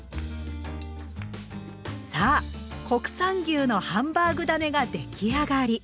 さあ国産牛のハンバーグだねが出来上がり。